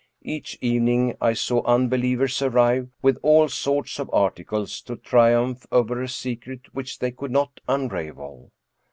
Each evening I saw unbe lievers arrive with all sorts of articles to triumph over a secret which they could not unravel.